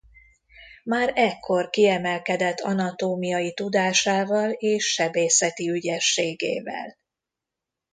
Már ekkor kiemelkedett anatómiai tudásával és sebészeti ügyességével.